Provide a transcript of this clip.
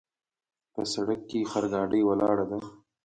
په سړک کې خرګاډۍ ولاړ ده